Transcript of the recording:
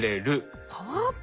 パワーアップ？